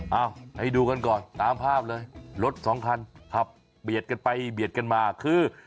เอาให้ดูกันก่อนตามภาพเลยรถสองคันขับเบียดกันไปเบียดกันมาคือ